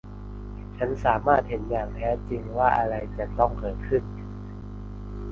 ฉันสามารถเห็นอย่างแท้จริงว่าอะไรจะต้องเกิดขึ้น